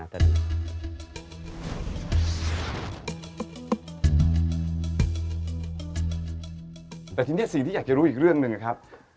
แต่ทีนี้สิ่งที่อยากจะรู้อีกเรื่องหนึ่งนะครับ